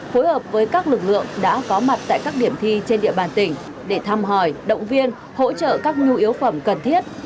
phối hợp với các lực lượng đã có mặt tại các điểm thi trên địa bàn tỉnh để thăm hỏi động viên hỗ trợ các nhu yếu phẩm cần thiết